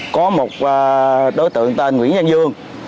có một đối tượng tên nguyễn văn dương